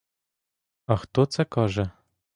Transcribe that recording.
А хто це каже?